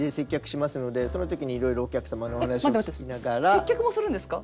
接客もするんですか？